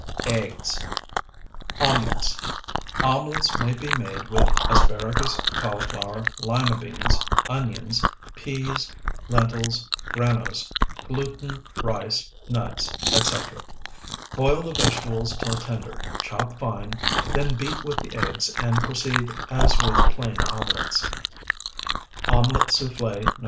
EGGS OMELETS Omelets may be made with asparagus, cauliflower, lima beans, onions, peas, lentils, granose, gluten, rice, nuts, etc. Boil the vegetables till tender, chop fine, then beat with the eggs and proceed as with plain omelets. OMELET SOUFFLE NO.